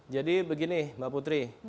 jadi begini mbak putri